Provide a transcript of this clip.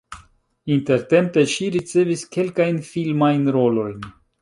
Intertempe ŝi ricevis kelkajn filmajn rolojn.